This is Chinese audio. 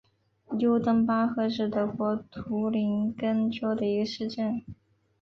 尤登巴赫是德国图林根州的一个市镇。